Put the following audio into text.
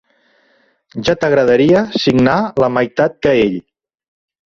Ja t'agradaria signar la meitat que ell.